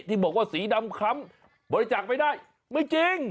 ที่บอกว่าสีดำค้ำบริจาคไม่ได้ไม่จริง